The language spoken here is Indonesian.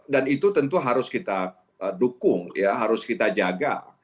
dan itu tentu harus kita dukung harus kita jaga